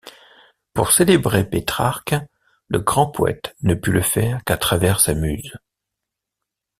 Pour célébrer Pétrarque, le grand poète ne put le faire qu'à travers sa muse.